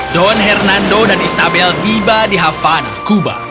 don hernando dan isabel tiba di havana kuba